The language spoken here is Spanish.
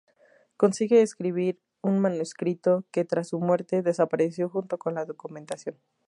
Consigue escribir un manuscrito que, tras su muerte, desapareció junto con la documentación.